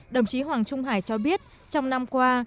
đồng chí hoàng trung hải cho biết trong năm qua